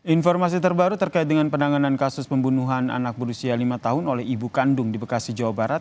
informasi terbaru terkait dengan penanganan kasus pembunuhan anak berusia lima tahun oleh ibu kandung di bekasi jawa barat